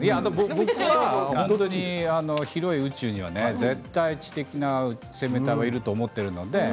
僕は本当に広い宇宙には知的な生命体がいると思っているので。